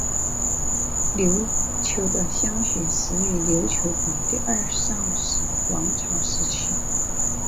琉球的乡学始于琉球国第二尚氏王朝时期。